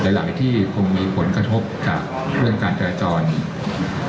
หลายที่คงมีผลกระทบกับเรื่องการเธอจร